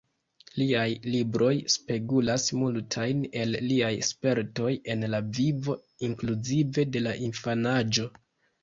Liaj libroj spegulas multajn el liaj spertoj en la vivo, inkluzive de la infanaĝo.